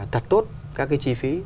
thật tốt các cái chi phí